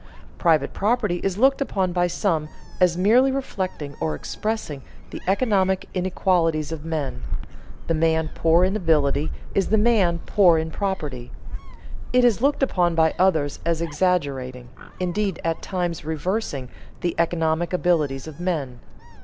Private property is looked upon by some as merely reflecting or expressing the economic inequalities of men; the man poor in ability is the man poor in property. It is looked upon by others as exaggerating, indeed at times reversing, the economic abilities of men.